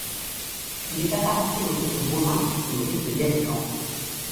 Il est apparenté au rite romain, et aux rites gallicans.